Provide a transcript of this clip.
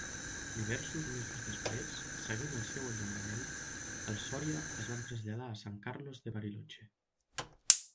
Diversos mesos després, seguint el seu alliberament, els Soria es van traslladar a San Carlos de Bariloche.